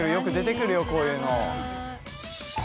こういうの何？